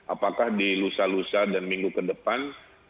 apakah di lusa lusa dan minggu ke depan